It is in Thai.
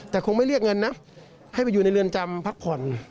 แต่คงไม่เรียกเงินนะให้ไปอยู่ในเรือนจำพักผ่อน